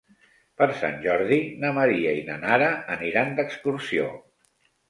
Per Sant Jordi na Maria i na Nara aniran d'excursió.